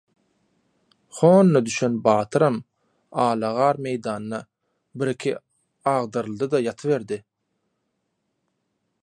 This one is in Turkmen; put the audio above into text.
Honda düşen batyram ala gar meýdanda bir-iki agdaryldyda ýatyberdi.